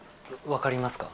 分かりますか？